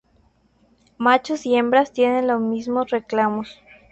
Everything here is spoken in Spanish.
Machos y hembras tienen los mismos reclamos.